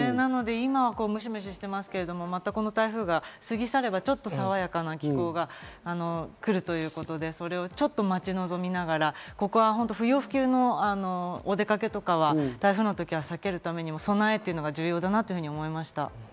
今、ムシムシしてますけど台風が過ぎ去ればちょっとさわやかな気候が来るということで、それをちょっと待ち望みながら、ここは不要不急のお出かけとかは台風のときは避けるためにも備えが重要だなと思いました。